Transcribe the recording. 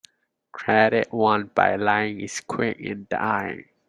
Credit won by lying is quick in dying.